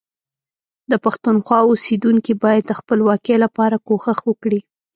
د پښتونخوا اوسیدونکي باید د خپلواکۍ لپاره کوښښ وکړي